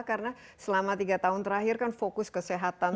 karena selama tiga tahun terakhir kan fokus kesehatan